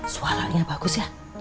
suaranya bagus ya